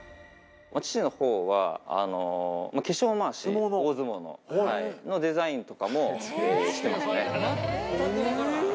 父のほうは、化粧まわし、大相撲の、デザインとかもしていますね。